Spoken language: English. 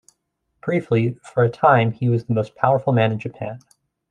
Briefly, for a time he was the most powerful man in Japan.